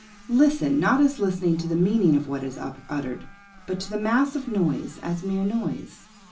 Listen, not as listening to the meaning of what is uttered, but to the mass of noise as mere noise.